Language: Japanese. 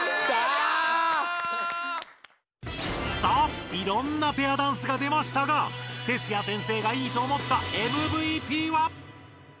さあいろんなペアダンスが出ましたがＴＥＴＳＵＹＡ先生がいいと思ったＭＶＰは！？